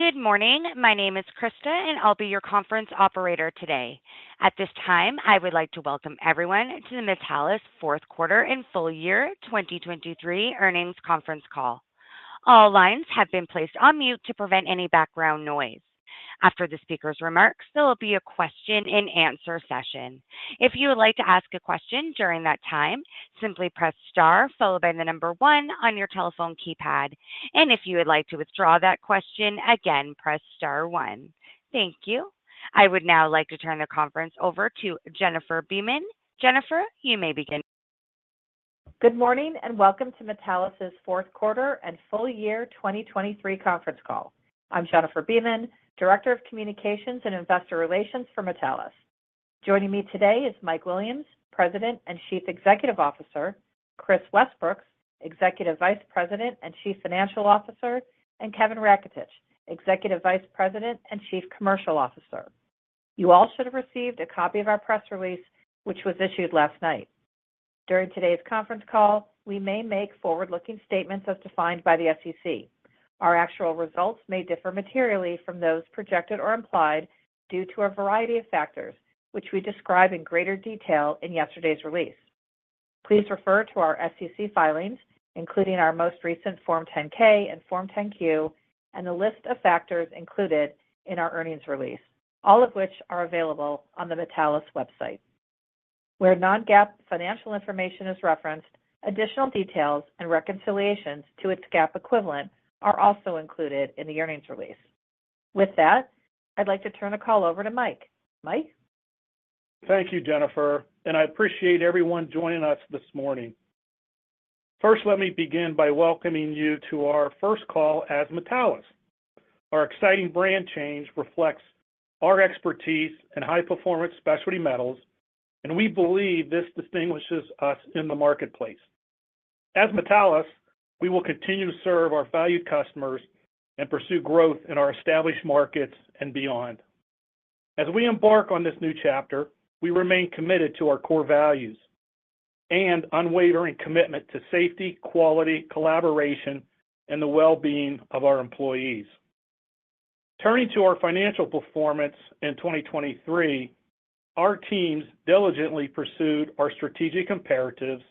Good morning. My name is Krista, and I'll be your conference operator today. At this time, I would like to welcome everyone to the Metallus fourth quarter and full-year 2023 earnings conference call. All lines have been placed on mute to prevent any background noise. After the speaker's remarks, there will be a question-and-answer session. If you would like to ask a question during that time, simply press star followed by the number one on your telephone keypad, and if you would like to withdraw that question, again, press star one. Thank you. I would now like to turn the conference over to Jennifer Beeman. Jennifer, you may begin. Good morning and welcome to Metallus's fourth quarter and full-year 2023 conference call. I'm Jennifer Beeman, Director of Communications and Investor Relations for Metallus. Joining me today is Mike Williams, President and Chief Executive Officer; Kris Westbrooks, Executive Vice President and Chief Financial Officer; and Kevin Raketich, Executive Vice President and Chief Commercial Officer. You all should have received a copy of our press release, which was issued last night. During today's conference call, we may make forward-looking statements as defined by the SEC. Our actual results may differ materially from those projected or implied due to a variety of factors, which we describe in greater detail in yesterday's release. Please refer to our SEC filings, including our most recent Form 10-K and Form 10-Q, and the list of factors included in our earnings release, all of which are available on the Metallus website. Where non-GAAP financial information is referenced, additional details and reconciliations to its GAAP equivalent are also included in the earnings release. With that, I'd like to turn the call over to Mike. Mike? Thank you, Jennifer, and I appreciate everyone joining us this morning. First, let me begin by welcoming you to our first call as Metallus. Our exciting brand change reflects our expertise in high-performance specialty metals, and we believe this distinguishes us in the marketplace. As Metallus, we will continue to serve our valued customers and pursue growth in our established markets and beyond. As we embark on this new chapter, we remain committed to our core values and unwavering commitment to safety, quality, collaboration, and the well-being of our employees. Turning to our financial performance in 2023, our teams diligently pursued our strategic imperatives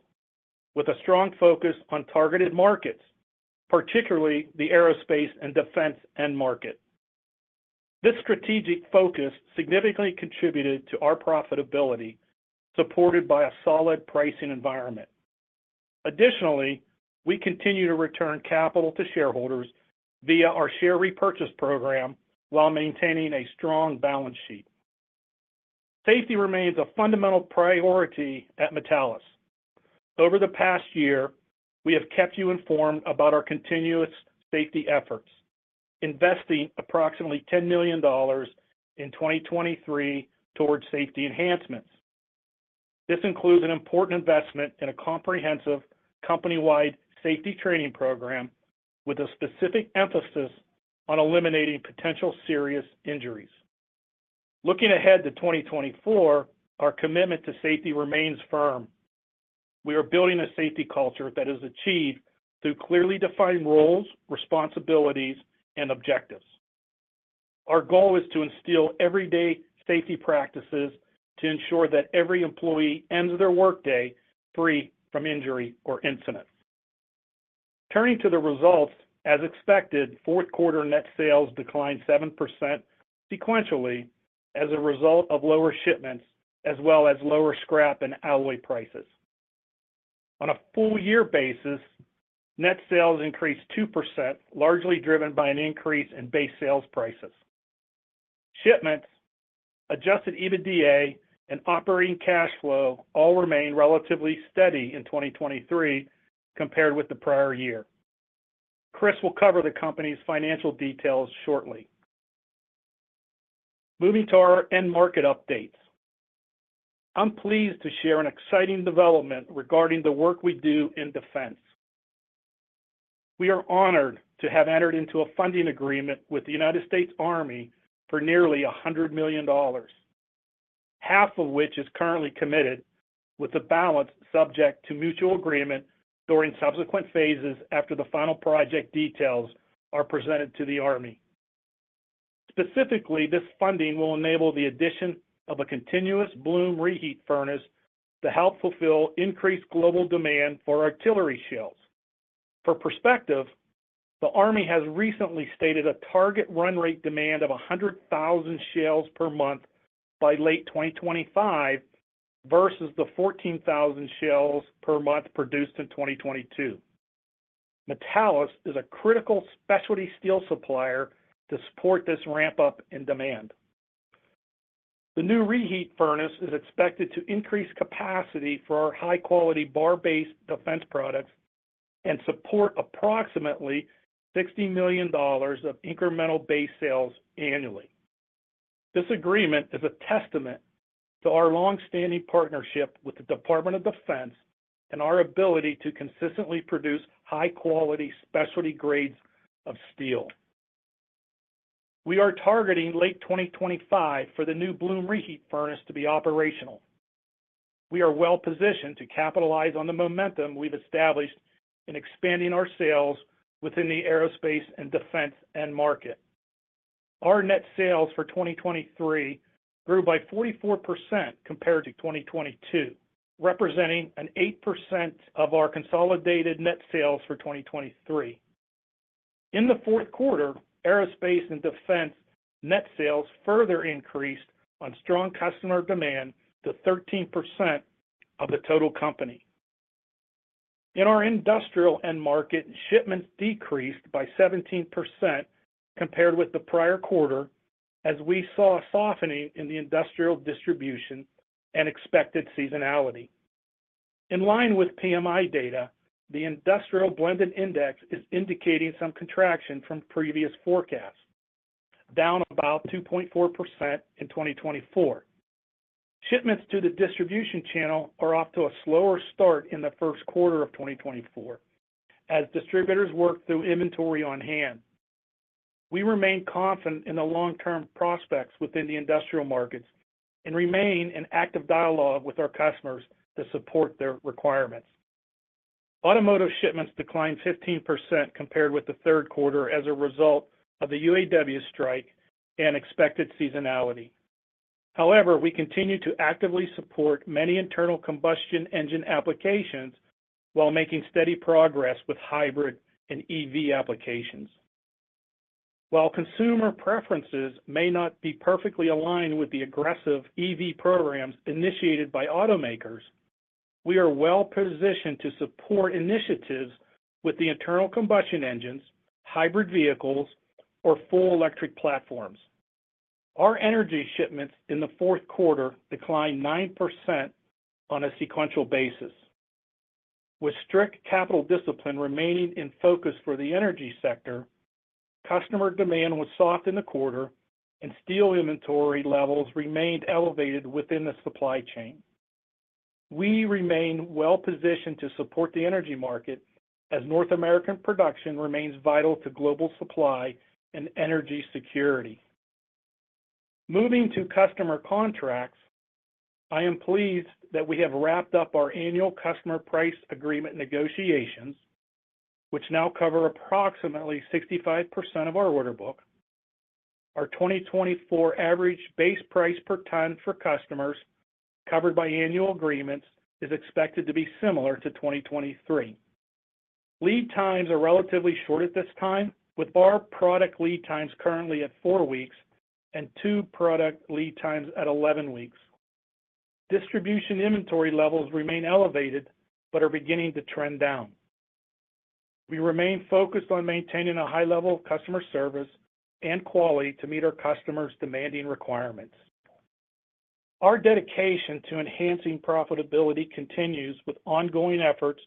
with a strong focus on targeted markets, particularly the aerospace and defense end market. This strategic focus significantly contributed to our profitability, supported by a solid pricing environment. Additionally, we continue to return capital to shareholders via our share repurchase program while maintaining a strong balance sheet. Safety remains a fundamental priority at Metallus. Over the past year, we have kept you informed about our continuous safety efforts, investing approximately $10 million in 2023 towards safety enhancements. This includes an important investment in a comprehensive company-wide safety training program with a specific emphasis on eliminating potential serious injuries. Looking ahead to 2024, our commitment to safety remains firm. We are building a safety culture that is achieved through clearly defined roles, responsibilities, and objectives. Our goal is to instill everyday safety practices to ensure that every employee ends their workday free from injury or incident. Turning to the results, as expected, fourth quarter net sales declined 7% sequentially as a result of lower shipments as well as lower scrap and alloy prices. On a full-year basis, net sales increased 2%, largely driven by an increase in base sales prices. Shipments, Adjusted EBITDA, and operating cash flow all remain relatively steady in 2023 compared with the prior year. Kris will cover the company's financial details shortly. Moving to our end market updates, I'm pleased to share an exciting development regarding the work we do in defense. We are honored to have entered into a funding agreement with the United States Army for nearly $100 million, half of which is currently committed, with the balance subject to mutual agreement during subsequent phases after the final project details are presented to the Army. Specifically, this funding will enable the addition of a Continuous Bloom Reheat Furnace to help fulfill increased global demand for artillery shells. For perspective, the Army has recently stated a target run-rate demand of 100,000 shells per month by late 2025 versus the 14,000 shells per month produced in 2022. Metallus is a critical specialty steel supplier to support this ramp-up in demand. The new reheat furnace is expected to increase capacity for our high-quality bar-based defense products and support approximately $60 million of incremental base sales annually. This agreement is a testament to our longstanding partnership with the Department of Defense and our ability to consistently produce high-quality specialty grades of steel. We are targeting late 2025 for the new bloom reheat furnace to be operational. We are well-positioned to capitalize on the momentum we've established in expanding our sales within the aerospace and defense end market. Our net sales for 2023 grew by 44% compared to 2022, representing an 8% of our consolidated net sales for 2023. In the fourth quarter, aerospace and defense net sales further increased on strong customer demand to 13% of the total company. In our industrial end market, shipments decreased by 17% compared with the prior quarter as we saw a softening in the industrial distribution and expected seasonality. In line with PMI data, the Industrial Blended Index is indicating some contraction from previous forecasts, down about 2.4% in 2024. Shipments to the distribution channel are off to a slower start in the first quarter of 2024 as distributors work through inventory on hand. We remain confident in the long-term prospects within the industrial markets and remain in active dialogue with our customers to support their requirements. Automotive shipments declined 15% compared with the third quarter as a result of the UAW strike and expected seasonality. However, we continue to actively support many internal combustion engine applications while making steady progress with hybrid and EV applications. While consumer preferences may not be perfectly aligned with the aggressive EV programs initiated by automakers, we are well-positioned to support initiatives with the internal combustion engines, hybrid vehicles, or full electric platforms. Our energy shipments in the fourth quarter declined 9% on a sequential basis. With strict capital discipline remaining in focus for the energy sector, customer demand was soft in the quarter, and steel inventory levels remained elevated within the supply chain. We remain well-positioned to support the energy market as North American production remains vital to global supply and energy security. Moving to customer contracts, I am pleased that we have wrapped up our annual customer price agreement negotiations, which now cover approximately 65% of our order book. Our 2024 average base price per ton for customers covered by annual agreements is expected to be similar to 2023. Lead times are relatively short at this time, with bar product lead times currently at four weeks and two product lead times at 11 weeks. Distribution inventory levels remain elevated but are beginning to trend down. We remain focused on maintaining a high level of customer service and quality to meet our customers' demanding requirements. Our dedication to enhancing profitability continues with ongoing efforts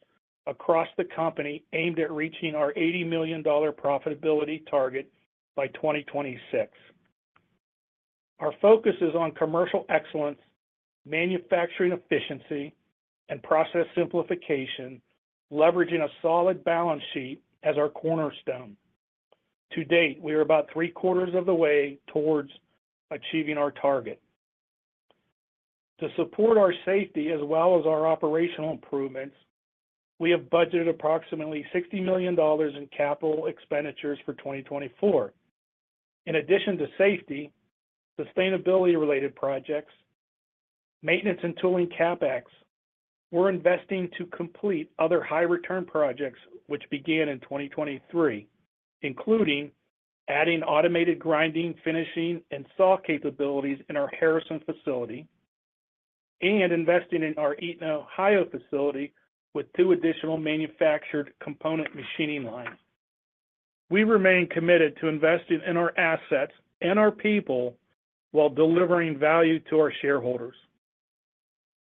across the company aimed at reaching our $80 million profitability target by 2026. Our focus is on commercial excellence, manufacturing efficiency, and process simplification, leveraging a solid balance sheet as our cornerstone. To date, we are about three-quarters of the way towards achieving our target. To support our safety as well as our operational improvements, we have budgeted approximately $60 million in capital expenditures for 2024. In addition to safety, sustainability-related projects, maintenance and tooling CapEx, we're investing to complete other high-return projects which began in 2023, including adding automated grinding, finishing, and saw capabilities in our Harrison facility and investing in our Eaton, Ohio facility with two additional manufactured component machining lines. We remain committed to investing in our assets and our people while delivering value to our shareholders.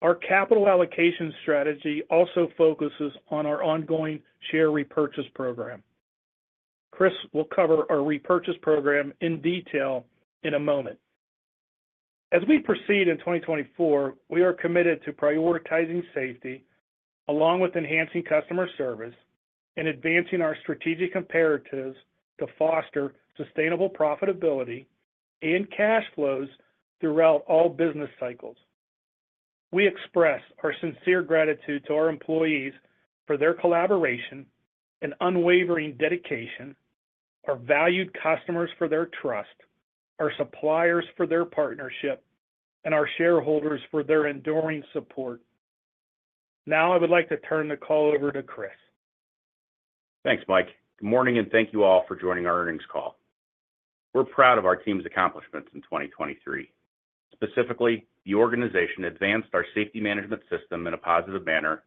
Our capital allocation strategy also focuses on our ongoing share repurchase program. Kris will cover our repurchase program in detail in a moment. As we proceed in 2024, we are committed to prioritizing safety along with enhancing customer service and advancing our strategic comparatives to foster sustainable profitability and cash flows throughout all business cycles. We express our sincere gratitude to our employees for their collaboration and unwavering dedication, our valued customers for their trust, our suppliers for their partnership, and our shareholders for their enduring support. Now I would like to turn the call over to Kris. Thanks, Mike. Good morning, and thank you all for joining our earnings call. We're proud of our team's accomplishments in 2023. Specifically, the organization advanced our safety management system in a positive manner,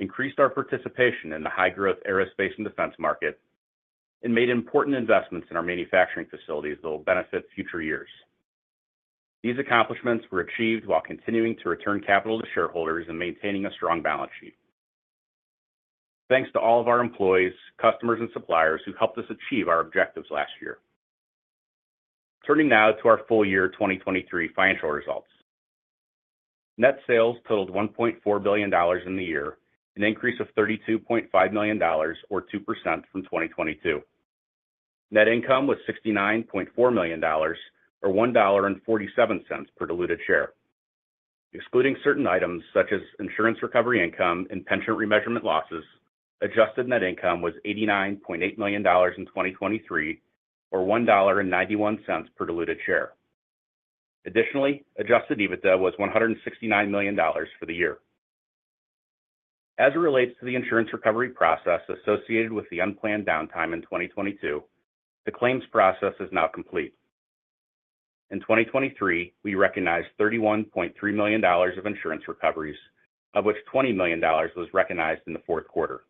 increased our participation in the high-growth aerospace and defense market, and made important investments in our manufacturing facilities that will benefit future years. These accomplishments were achieved while continuing to return capital to shareholders and maintaining a strong balance sheet. Thanks to all of our employees, customers, and suppliers who helped us achieve our objectives last year. Turning now to our full-year 2023 financial results. Net sales totaled $1.4 billion in the year, an increase of $32.5 million or 2% from 2022. Net income was $69.4 million or $1.47 per diluted share. Excluding certain items such as insurance recovery income and pension remeasurement losses, adjusted net income was $89.8 million in 2023 or $1.91 per diluted share. Additionally, Adjusted EBITDA was $169 million for the year. As it relates to the insurance recovery process associated with the unplanned downtime in 2022, the claims process is now complete. In 2023, we recognized $31.3 million of insurance recoveries, of which $20 million was recognized in the fourth quarter.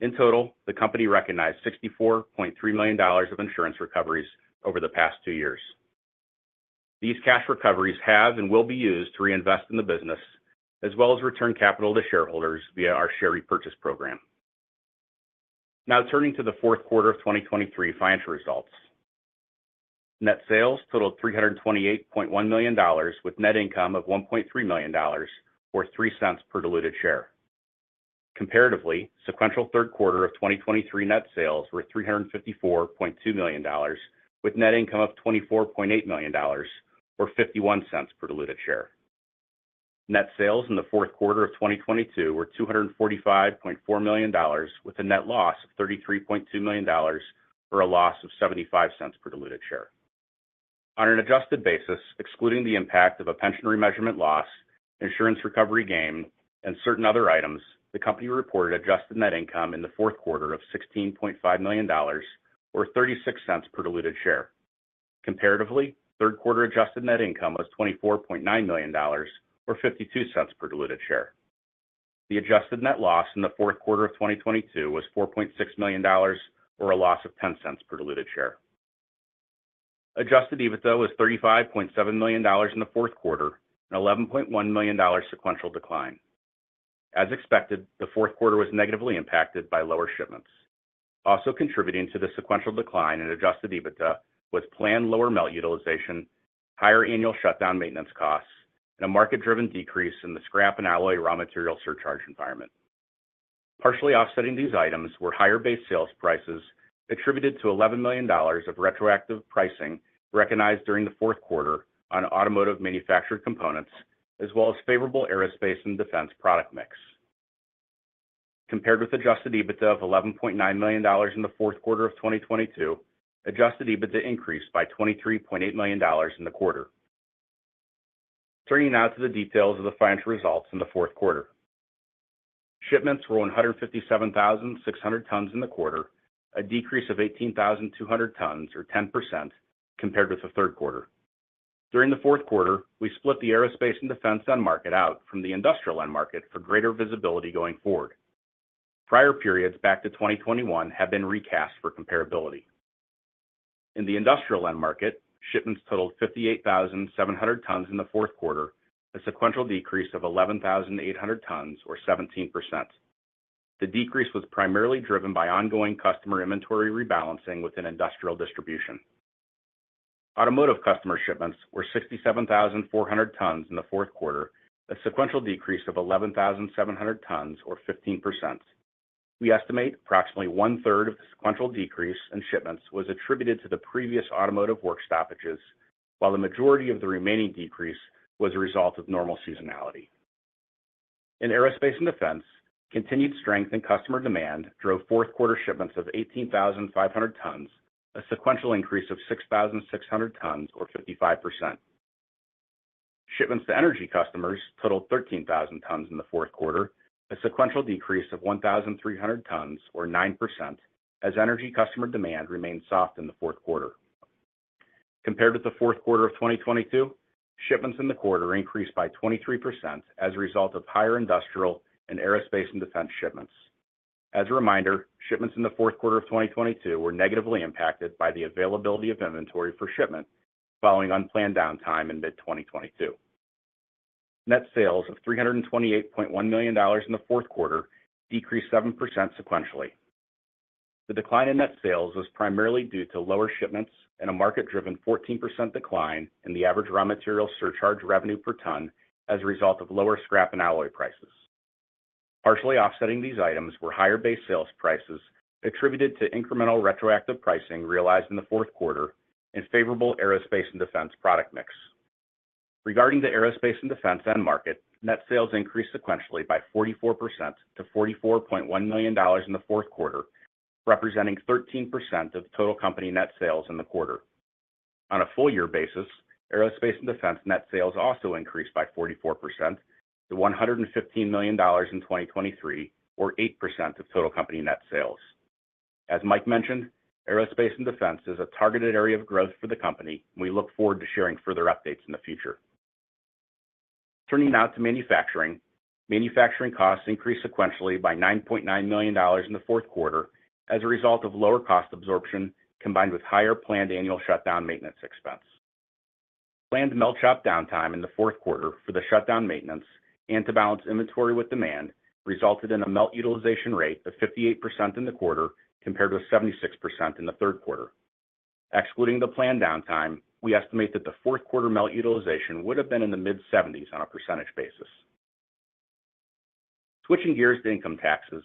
In total, the company recognized $64.3 million of insurance recoveries over the past two years. These cash recoveries have and will be used to reinvest in the business as well as return capital to shareholders via our share repurchase program. Now turning to the fourth quarter of 2023 financial results. Net sales totaled $328.1 million with net income of $1.3 million or $0.03 per diluted share. Comparatively, sequential third quarter of 2023 net sales were $354.2 million with net income of $24.8 million or $0.51 per diluted share. Net sales in the fourth quarter of 2022 were $245.4 million with a net loss of $33.2 million or a loss of $0.75 per diluted share. On an adjusted basis, excluding the impact of a pension remeasurement loss, insurance recovery gain, and certain other items, the company reported adjusted net income in the fourth quarter of $16.5 million or $0.36 per diluted share. Comparatively, third quarter adjusted net income was $24.9 million or $0.52 per diluted share. The adjusted net loss in the fourth quarter of 2022 was $4.6 million or a loss of $0.10 per diluted share. Adjusted EBITDA was $35.7 million in the fourth quarter and $11.1 million sequential decline. As expected, the fourth quarter was negatively impacted by lower shipments, also contributing to the sequential decline in Adjusted EBITDA with planned lower melt utilization, higher annual shutdown maintenance costs, and a market-driven decrease in the scrap and alloy raw material surcharge environment. Partially offsetting these items were higher base sales prices attributed to $11 million of retroactive pricing recognized during the fourth quarter on automotive manufactured components as well as favorable aerospace and defense product mix. Compared with Adjusted EBITDA of $11.9 million in the fourth quarter of 2022, Adjusted EBITDA increased by $23.8 million in the quarter. Turning now to the details of the financial results in the fourth quarter. Shipments were 157,600 tons in the quarter, a decrease of 18,200 tons or 10% compared with the third quarter. During the fourth quarter, we split the aerospace and defense end market out from the industrial end market for greater visibility going forward. Prior periods back to 2021 have been recast for comparability. In the industrial end market, shipments totaled 58,700 tons in the fourth quarter, a sequential decrease of 11,800 tons or 17%. The decrease was primarily driven by ongoing customer inventory rebalancing within industrial distribution. Automotive customer shipments were 67,400 tons in the fourth quarter, a sequential decrease of 11,700 tons or 15%. We estimate approximately 1/3 of the sequential decrease in shipments was attributed to the previous automotive work stoppages, while the majority of the remaining decrease was a result of normal seasonality. In aerospace and defense, continued strength and customer demand drove fourth quarter shipments of 18,500 tons, a sequential increase of 6,600 tons or 55%. Shipments to energy customers totaled 13,000 tons in the fourth quarter, a sequential decrease of 1,300 tons or 9% as energy customer demand remained soft in the fourth quarter. Compared with the fourth quarter of 2022, shipments in the quarter increased by 23% as a result of higher industrial and aerospace and defense shipments. As a reminder, shipments in the fourth quarter of 2022 were negatively impacted by the availability of inventory for shipment following unplanned downtime in mid-2022. Net sales of $328.1 million in the fourth quarter decreased 7% sequentially. The decline in net sales was primarily due to lower shipments and a market-driven 14% decline in the average raw material surcharge revenue per ton as a result of lower scrap and alloy prices. Partially offsetting these items were higher base sales prices attributed to incremental retroactive pricing realized in the fourth quarter and favorable aerospace and defense product mix. Regarding the aerospace and defense end market, net sales increased sequentially by 44% to $44.1 million in the fourth quarter, representing 13% of total company net sales in the quarter. On a full-year basis, aerospace and defense net sales also increased by 44% to $115 million in 2023 or 8% of total company net sales. As Mike mentioned, aerospace and defense is a targeted area of growth for the company, and we look forward to sharing further updates in the future. Turning now to manufacturing, manufacturing costs increased sequentially by $9.9 million in the fourth quarter as a result of lower cost absorption combined with higher planned annual shutdown maintenance expense. Planned melt shop downtime in the fourth quarter for the shutdown maintenance and to balance inventory with demand resulted in a melt utilization rate of 58% in the quarter compared with 76% in the third quarter. Excluding the planned downtime, we estimate that the fourth quarter melt utilization would have been in the mid-70s on a percentage basis. Switching gears to income taxes,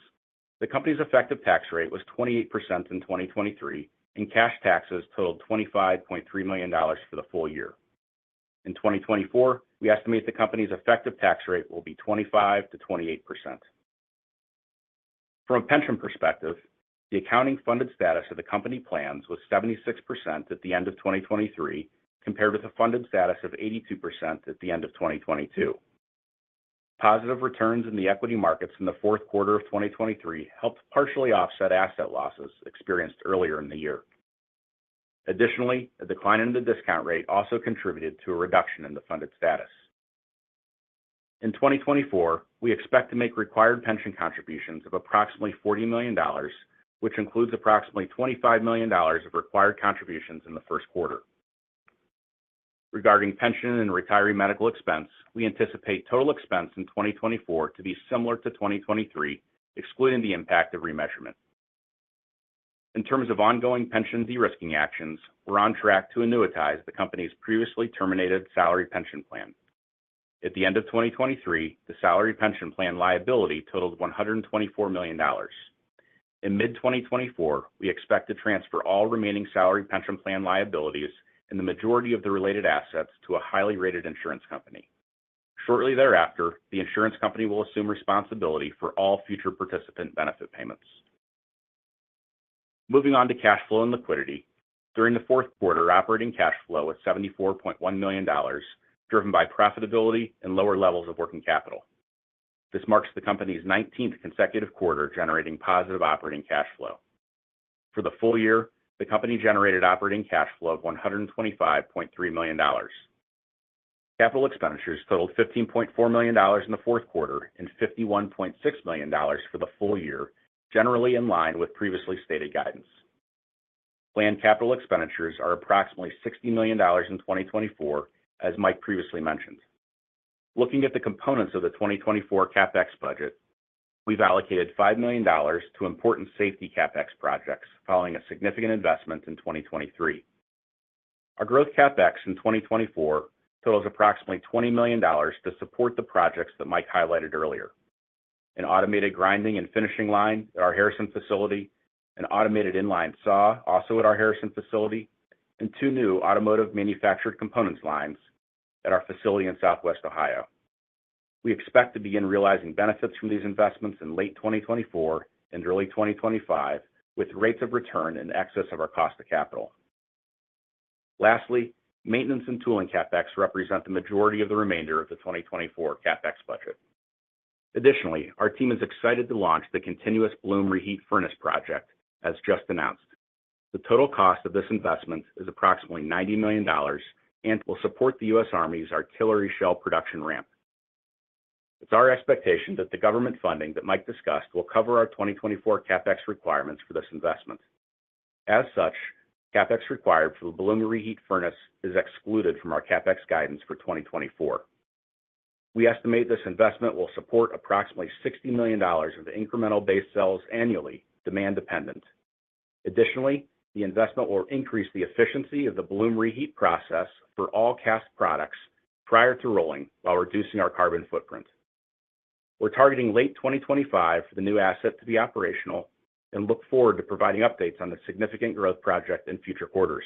the company's effective tax rate was 28% in 2023, and cash taxes totaled $25.3 million for the full-year. In 2024, we estimate the company's effective tax rate will be 25%-28%. From a pension perspective, the accounting funded status of the company plans was 76% at the end of 2023 compared with a funded status of 82% at the end of 2022. Positive returns in the equity markets in the fourth quarter of 2023 helped partially offset asset losses experienced earlier in the year. Additionally, a decline in the discount rate also contributed to a reduction in the funded status. In 2024, we expect to make required pension contributions of approximately $40 million, which includes approximately $25 million of required contributions in the first quarter. Regarding pension and retiree medical expense, we anticipate total expense in 2024 to be similar to 2023, excluding the impact of remeasurement. In terms of ongoing pension de-risking actions, we're on track to annuitize the company's previously terminated salary pension plan. At the end of 2023, the salary pension plan liability totaled $124 million. In mid-2024, we expect to transfer all remaining salary pension plan liabilities and the majority of the related assets to a highly rated insurance company. Shortly thereafter, the insurance company will assume responsibility for all future participant benefit payments. Moving on to cash flow and liquidity, during the fourth quarter, operating cash flow was $74.1 million driven by profitability and lower levels of working capital. This marks the company's 19th consecutive quarter generating positive operating cash flow. For the full-year, the company generated operating cash flow of $125.3 million. Capital expenditures totaled $15.4 million in the fourth quarter and $51.6 million for the full-year, generally in line with previously stated guidance. Planned capital expenditures are approximately $60 million in 2024, as Mike previously mentioned. Looking at the components of the 2024 CapEx budget, we've allocated $5 million to important safety CapEx projects following a significant investment in 2023. Our growth CapEx in 2024 totals approximately $20 million to support the projects that Mike highlighted earlier: an automated grinding and finishing line at our Harrison facility, an automated inline saw also at our Harrison facility, and two new automotive manufactured components lines at our facility in Southwest Ohio. We expect to begin realizing benefits from these investments in late 2024 and early 2025 with rates of return in excess of our cost of capital. Lastly, maintenance and tooling CapEx represent the majority of the remainder of the 2024 CapEx budget. Additionally, our team is excited to launch the Continuous Bloom Reheat Furnace project, as just announced. The total cost of this investment is approximately $90 million and will support the U.S. Army's artillery shell production ramp. It's our expectation that the government funding that Mike discussed will cover our 2024 CapEx requirements for this investment. As such, CapEx required for the bloom reheat furnace is excluded from our CapEx guidance for 2024. We estimate this investment will support approximately $60 million of the incremental base sales annually, demand-dependent. Additionally, the investment will increase the efficiency of the bloom reheat process for all cast products prior to rolling while reducing our carbon footprint. We're targeting late 2025 for the new asset to be operational and look forward to providing updates on the significant growth project in future quarters.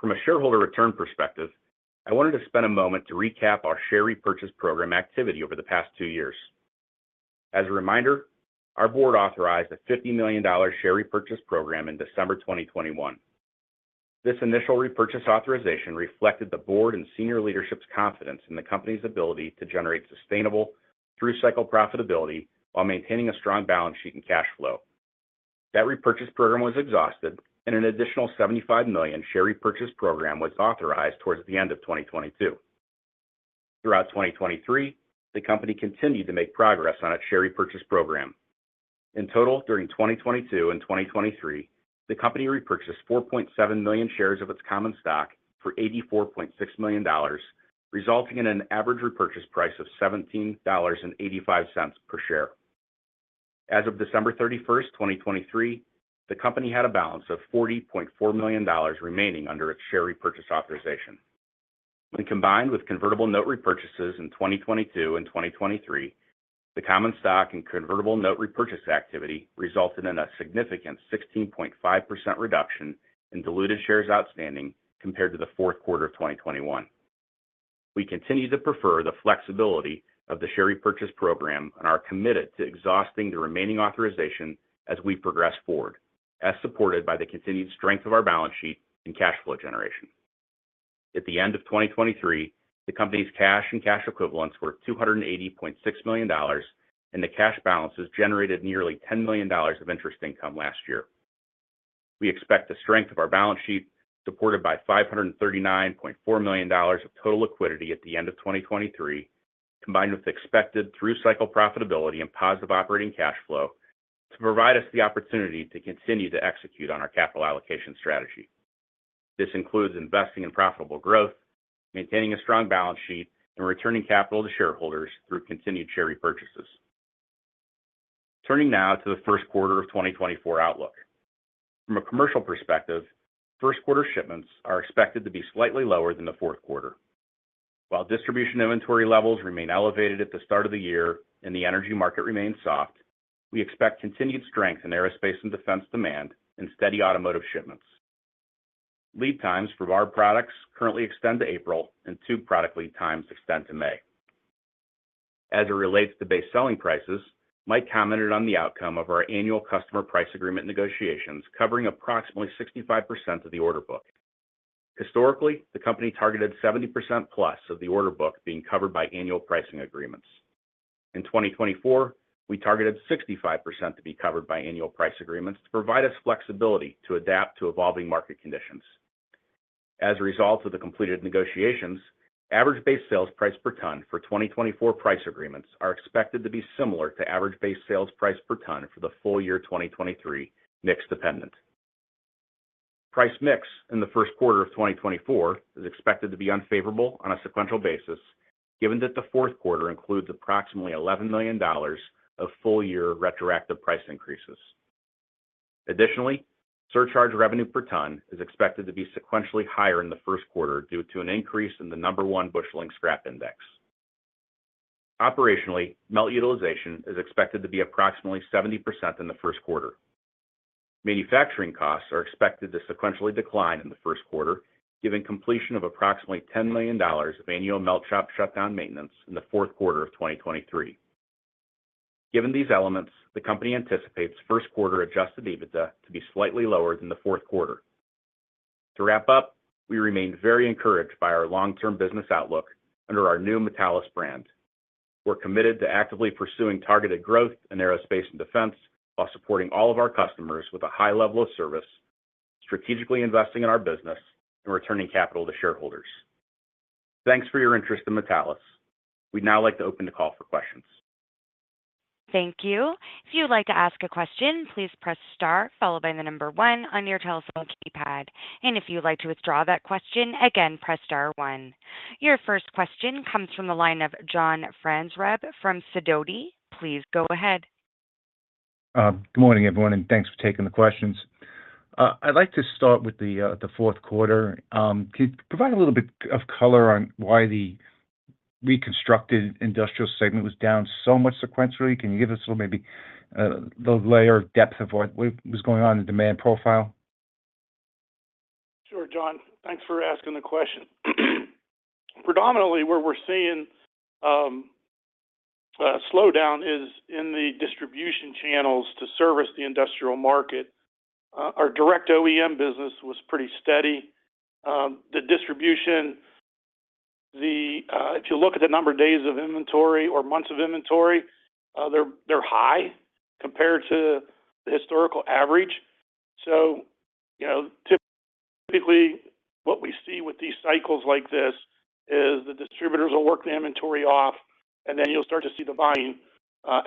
From a shareholder return perspective, I wanted to spend a moment to recap our share repurchase program activity over the past two years. As a reminder, our board authorized a $50 million share repurchase program in December 2021. This initial repurchase authorization reflected the board and senior leadership's confidence in the company's ability to generate sustainable through-cycle profitability while maintaining a strong balance sheet and cash flow. That repurchase program was exhausted, and an additional $75 million share repurchase program was authorized toward the end of 2022. Throughout 2023, the company continued to make progress on its share repurchase program. In total, during 2022 and 2023, the company repurchased 4.7 million shares of its common stock for $84.6 million, resulting in an average repurchase price of $17.85 per share. As of December 31st, 2023, the company had a balance of $40.4 million remaining under its share repurchase authorization. When combined with convertible note repurchases in 2022 and 2023, the common stock and convertible note repurchase activity resulted in a significant 16.5% reduction in diluted shares outstanding compared to the fourth quarter of 2021. We continue to prefer the flexibility of the share repurchase program and are committed to exhausting the remaining authorization as we progress forward, as supported by the continued strength of our balance sheet and cash flow generation. At the end of 2023, the company's cash and cash equivalents were $280.6 million, and the cash balances generated nearly $10 million of interest income last year. We expect the strength of our balance sheet, supported by $539.4 million of total liquidity at the end of 2023, combined with expected through-cycle profitability and positive operating cash flow, to provide us the opportunity to continue to execute on our capital allocation strategy. This includes investing in profitable growth, maintaining a strong balance sheet, and returning capital to shareholders through continued share repurchases. Turning now to the first quarter of 2024 outlook. From a commercial perspective, first quarter shipments are expected to be slightly lower than the fourth quarter. While distribution inventory levels remain elevated at the start of the year and the energy market remains soft, we expect continued strength in aerospace and defense demand and steady automotive shipments. Lead times for bar products currently extend to April, and tube product lead times extend to May. As it relates to base selling prices, Mike commented on the outcome of our annual customer price agreement negotiations covering approximately 65% of the order book. Historically, the company targeted 70%+ of the order book being covered by annual pricing agreements. In 2024, we targeted 65% to be covered by annual price agreements to provide us flexibility to adapt to evolving market conditions. As a result of the completed negotiations, average base sales price per ton for 2024 price agreements are expected to be similar to average base sales price per ton for the full-year 2023, mix-dependent. Price mix in the first quarter of 2024 is expected to be unfavorable on a sequential basis given that the fourth quarter includes approximately $11 million of full-year retroactive price increases. Additionally, surcharge revenue per ton is expected to be sequentially higher in the first quarter due to an increase in the Number One Busheling Scrap Index. Operationally, Melt Utilization is expected to be approximately 70% in the first quarter. Manufacturing costs are expected to sequentially decline in the first quarter given completion of approximately $10 million of annual melt chop shutdown maintenance in the fourth quarter of 2023. Given these elements, the company anticipates first quarter Adjusted EBITDA to be slightly lower than the fourth quarter. To wrap up, we remain very encouraged by our long-term business outlook under our new Metallus brand. We're committed to actively pursuing targeted growth in aerospace and defense while supporting all of our customers with a high level of service, strategically investing in our business, and returning capital to shareholders. Thanks for your interest in Metallus. We'd now like to open the call for questions. Thank you. If you would like to ask a question, please press star followed by the number one on your telephone keypad. If you would like to withdraw that question, again, press star one. Your first question comes from the line of John Franzreb, rep from Sidoti. Please go ahead. Good morning, everyone, and thanks for taking the questions. I'd like to start with the fourth quarter. Can you provide a little bit of color on why the reconstructed industrial segment was down so much sequentially? Can you give us a little maybe a little layer of depth of what was going on in the demand profile? Sure, John. Thanks for asking the question. Predominantly, where we're seeing a slowdown is in the distribution channels to service the industrial market. Our direct OEM business was pretty steady. The distribution, if you look at the number of days of inventory or months of inventory, they're high compared to the historical average. So typically, what we see with these cycles like this is the distributors will work the inventory off, and then you'll start to see the buying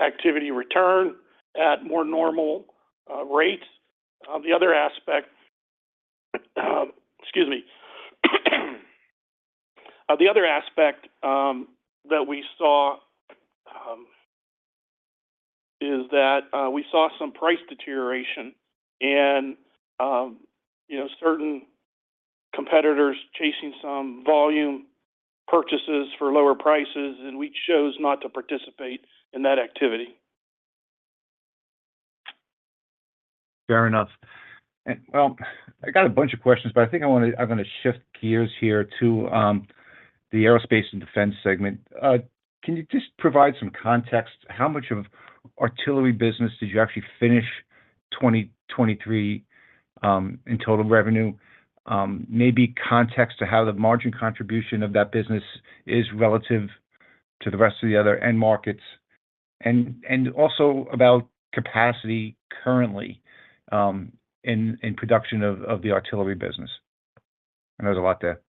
activity return at more normal rates. The other aspect, excuse me. The other aspect that we saw is that we saw some price deterioration and certain competitors chasing some volume purchases for lower prices, and we chose not to participate in that activity. Fair enough. Well, I got a bunch of questions, but I think I'm going to shift gears here to the aerospace and defense segment. Can you just provide some context? How much of artillery business did you actually finish 2023 in total revenue? Maybe context to how the margin contribution of that business is relative to the rest of the other end markets and also about capacity currently in production of the artillery business. I know there's a lot there.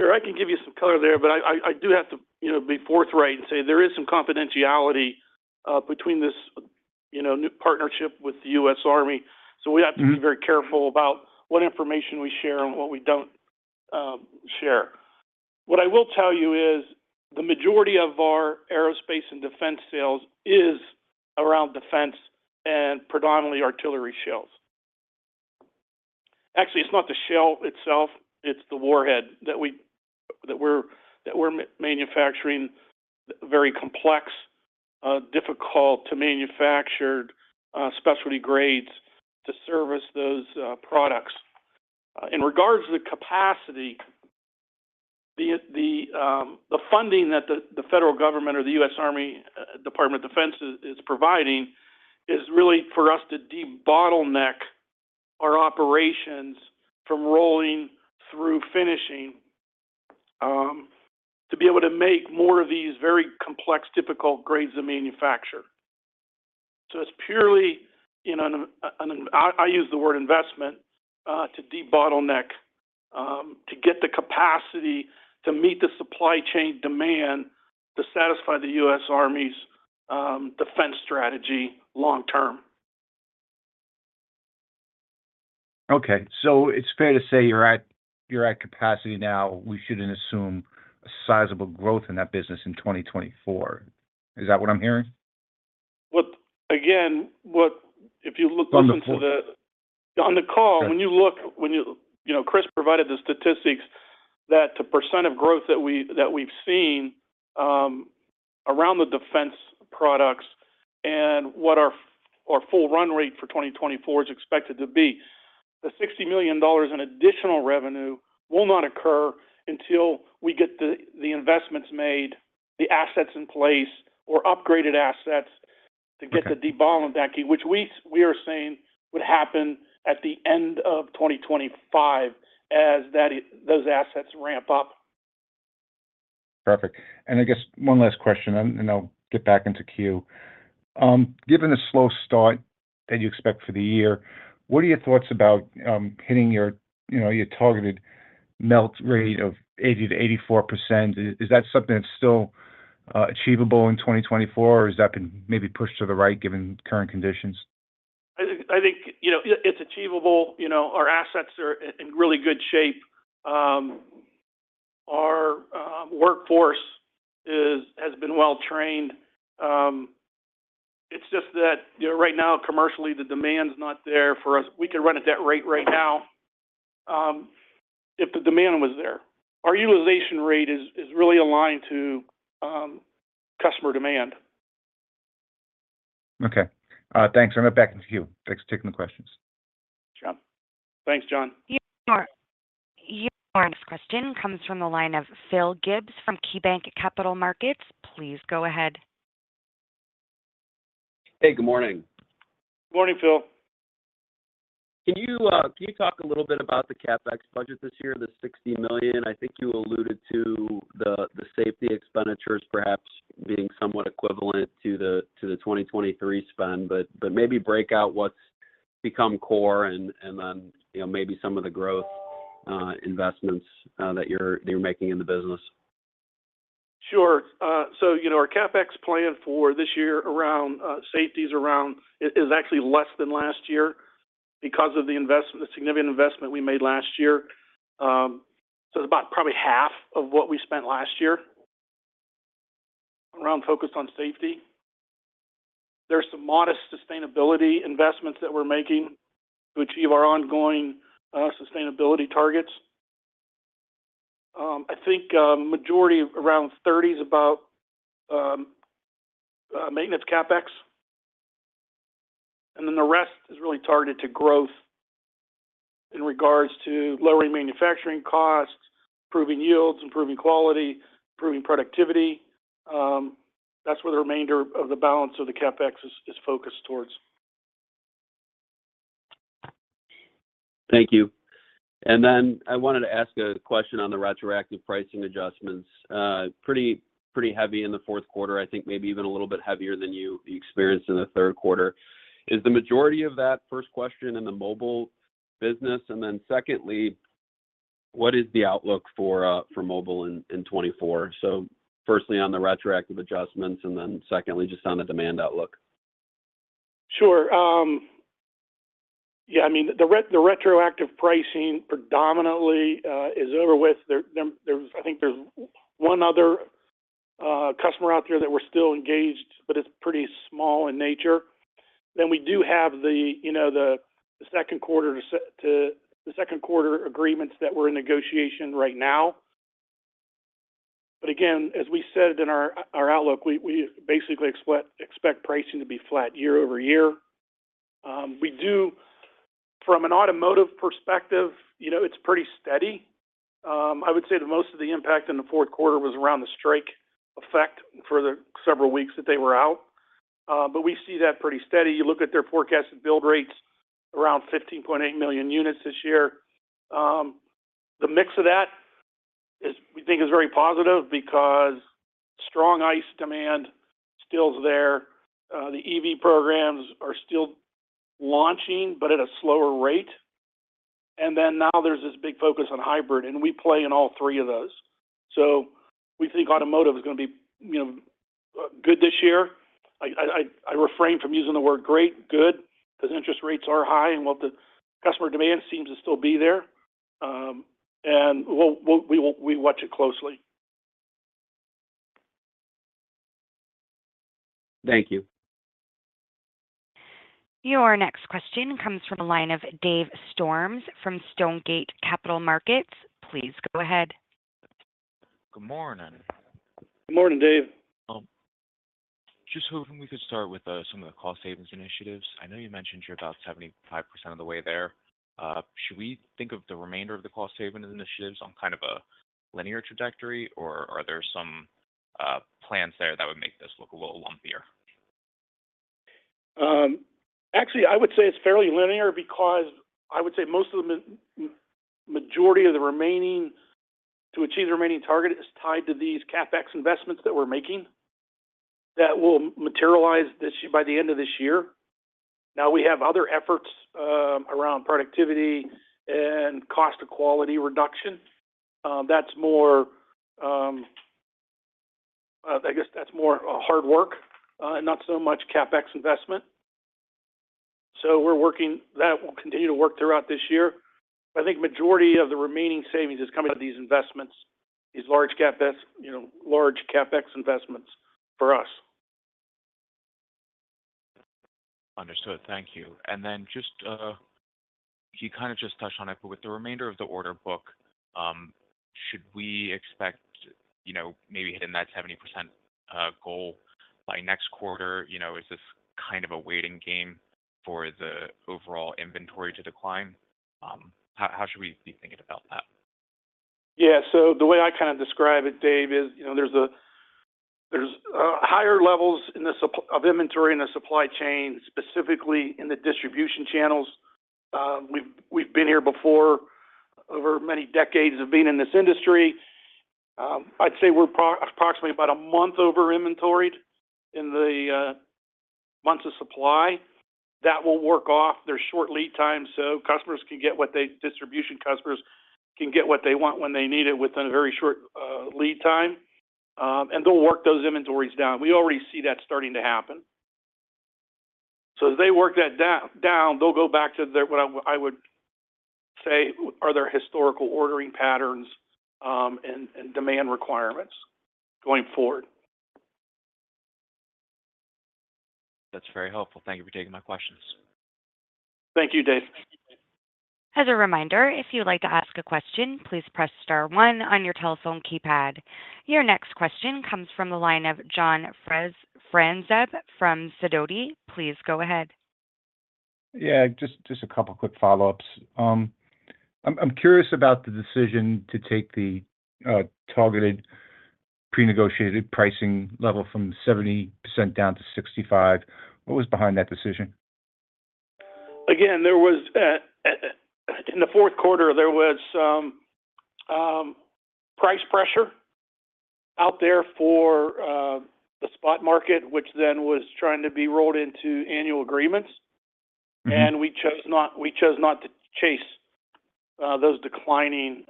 Sure, I can give you some color there, but I do have to be forthright and say there is some confidentiality between this new partnership with the U.S. Army. So we have to be very careful about what information we share and what we don't share. What I will tell you is the majority of our aerospace and defense sales is around defense and predominantly artillery shells. Actually, it's not the shell itself. It's the warhead that we're manufacturing, very complex, difficult-to-manufacture specialty grades to service those products. In regards to the capacity, the funding that the federal government or the U.S. Army, Department of Defense is providing is really for us to debottleneck our operations from rolling through finishing to be able to make more of these very complex, difficult grades of manufacture. It's purely I use the word investment to debottleneck, to get the capacity to meet the supply chain demand to satisfy the U.S. Army's defense strategy long term. Okay. So it's fair to say you're at capacity now. We shouldn't assume a sizable growth in that business in 2024. Is that what I'm hearing? Again, if you listen to the call, when Kris provided the statistics, that percent of growth that we've seen around the defense products and what our full run rate for 2024 is expected to be, the $60 million in additional revenue will not occur until we get the investments made, the assets in place, or upgraded assets to get the debottlenecking, which we are saying would happen at the end of 2025 as those assets ramp up. Perfect. And I guess one last question, and I'll get back into queue. Given the slow start that you expect for the year, what are your thoughts about hitting your targeted melt rate of 80%-84%? Is that something that's still achievable in 2024, or has that been maybe pushed to the right given current conditions? I think it's achievable. Our assets are in really good shape. Our workforce has been well-trained. It's just that right now, commercially, the demand's not there for us. We could run at that rate right now if the demand was there. Our utilization rate is really aligned to customer demand. Okay. Thanks. I'm going to back into queue. Thanks for taking the questions. Sure. Thanks, John. Your next question comes from the line of Phil Gibbs from KeyBanc Capital Markets. Please go ahead. Hey, good morning. Good morning, Phil. Can you talk a little bit about the CapEx budget this year, the $60 million? I think you alluded to the safety expenditures perhaps being somewhat equivalent to the 2023 spend, but maybe break out what's become core and then maybe some of the growth investments that you're making in the business. Sure. So our CapEx plan for this year around safety is actually less than last year because of the significant investment we made last year. So it's about probably half of what we spent last year around focused on safety. There's some modest sustainability investments that we're making to achieve our ongoing sustainability targets. I think the majority around 30 is about maintenance CapEx. And then the rest is really targeted to growth in regards to lowering manufacturing costs, improving yields, improving quality, improving productivity. That's where the remainder of the balance of the CapEx is focused towards. Thank you. And then I wanted to ask a question on the retroactive pricing adjustments. Pretty heavy in the fourth quarter, I think maybe even a little bit heavier than you experienced in the third quarter. Is the majority of that first question in the mobile business? And then secondly, what is the outlook for mobile in 2024? So firstly, on the retroactive adjustments, and then secondly, just on the demand outlook. Sure. Yeah, I mean, the retroactive pricing predominantly is over with. I think there's one other customer out there that we're still engaged, but it's pretty small in nature. Then we do have the second quarter to the second quarter agreements that we're in negotiation right now. But again, as we said in our outlook, we basically expect pricing to be flat year-over-year. From an automotive perspective, it's pretty steady. I would say that most of the impact in the fourth quarter was around the strike effect for the several weeks that they were out. But we see that pretty steady. You look at their forecasted build rates around 15.8 million units this year. The mix of that, we think, is very positive because strong ice demand still is there. The EV programs are still launching, but at a slower rate. And then now there's this big focus on hybrid, and we play in all three of those. So we think automotive is going to be good this year. I refrain from using the word great, good, because interest rates are high and what the customer demand seems to still be there. And we watch it closely. Thank you. Your next question comes from the line of Dave Storms from Stonegate Capital Partners. Please go ahead. Good morning. Good morning, Dave. Just hoping we could start with some of the cost savings initiatives. I know you mentioned you're about 75% of the way there. Should we think of the remainder of the cost savings initiatives on kind of a linear trajectory, or are there some plans there that would make this look a little lumpier? Actually, I would say it's fairly linear because I would say most of the majority of the remaining to achieve the remaining target is tied to these CapEx investments that we're making that will materialize by the end of this year. Now, we have other efforts around productivity and cost of quality reduction. I guess that's more hard work and not so much CapEx investment. So that will continue to work throughout this year. I think the majority of the remaining savings is coming out of these investments, these large CapEx investments for us. Understood. Thank you. And then just you kind of just touched on it, but with the remainder of the order book, should we expect maybe hitting that 70% goal by next quarter? Is this kind of a waiting game for the overall inventory to decline? How should we be thinking about that? Yeah. So the way I kind of describe it, Dave, is there's higher levels of inventory in the supply chain, specifically in the distribution channels. We've been here before over many decades of being in this industry. I'd say we're approximately about a month over inventoried in the months of supply. That will work off. There's short lead times, so distribution customers can get what they want when they need it within a very short lead time. And they'll work those inventories down. We already see that starting to happen. So as they work that down, they'll go back to what I would say are their historical ordering patterns and demand requirements going forward. That's very helpful. Thank you for taking my questions. Thank you, Dave. As a reminder, if you'd like to ask a question, please press star one on your telephone keypad. Your next question comes from the line of John Franzreb from Sidoti. Please go ahead. Yeah, just a couple of quick follow-ups. I'm curious about the decision to take the targeted pre-negotiated pricing level from 70% down to 65%. What was behind that decision? Again, in the fourth quarter, there was some price pressure out there for the spot market, which then was trying to be rolled into annual agreements. We chose not to chase those declining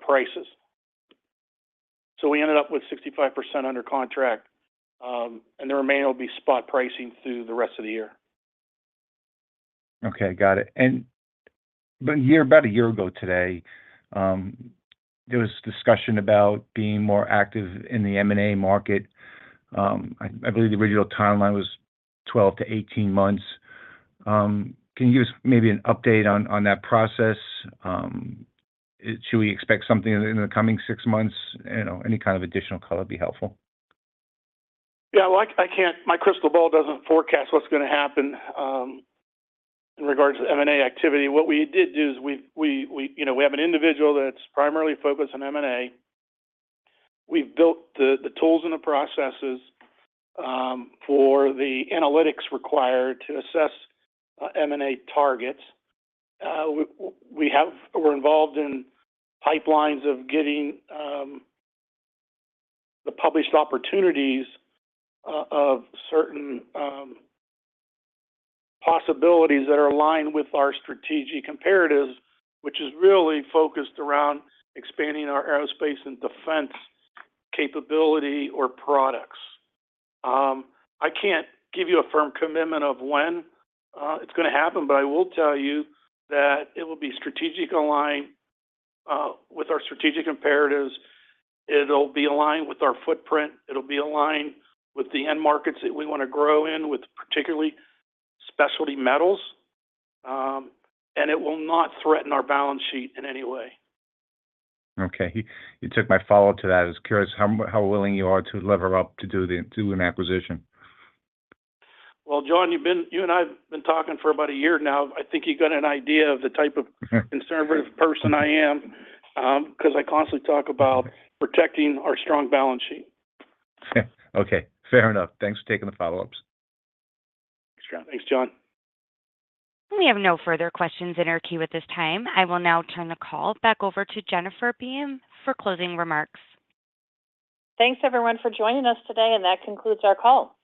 prices. We ended up with 65% under contract, and the remainder will be spot pricing through the rest of the year. Okay. Got it. But about a year ago today, there was discussion about being more active in the M&A market. I believe the original timeline was 12-18 months. Can you give us maybe an update on that process? Should we expect something in the coming six months? Any kind of additional color would be helpful. Yeah, my crystal ball doesn't forecast what's going to happen in regards to M&A activity. What we did do is we have an individual that's primarily focused on M&A. We've built the tools and the processes for the analytics required to assess M&A targets. We're involved in pipelines of getting the published opportunities of certain possibilities that are aligned with our strategic comparatives, which is really focused around expanding our aerospace and defense capability or products. I can't give you a firm commitment of when it's going to happen, but I will tell you that it will be strategic aligned with our strategic comparatives. It'll be aligned with our footprint. It'll be aligned with the end markets that we want to grow in, particularly specialty metals. And it will not threaten our balance sheet in any way. Okay. You took my follow-up to that. I was curious how willing you are to lever up to do an acquisition. Well, John, you and I have been talking for about a year now. I think you got an idea of the type of conservative person I am because I constantly talk about protecting our strong balance sheet. Okay. Fair enough. Thanks for taking the follow-ups. Thanks, John. Thanks, John. We have no further questions in our queue at this time. I will now turn the call back over to Jennifer Beeman for closing remarks. Thanks, everyone, for joining us today, and that concludes our call.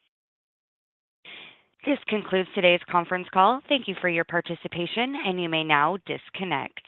This concludes today's conference call. Thank you for your participation, and you may now disconnect.